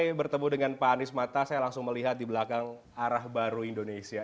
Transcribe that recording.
saya bertemu dengan pak anies mata saya langsung melihat di belakang arah baru indonesia